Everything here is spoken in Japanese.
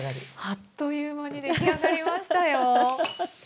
あっという間に出来上がりましたよ。